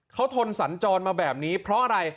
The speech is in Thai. เขาทนสัญจรมาแบบนี้เพราะอะไร